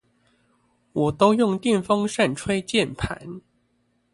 我都用電風扇吹鍵盤